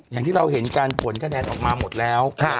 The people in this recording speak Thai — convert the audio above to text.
อย่างที่เราเห็นการผลคะแนนออกมาหมดแล้ว